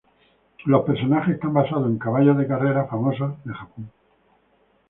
Los personajes están basados en caballos de carrera famosos de Japón.